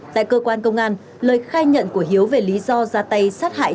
tại cơ quan công an lời khai nhận của hiếu về lý do ra tay sát hại